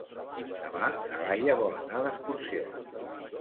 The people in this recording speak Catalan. Demà na Laia vol anar d'excursió.